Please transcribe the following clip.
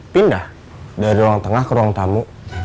pindah dari ruang tengah ke ruang tamu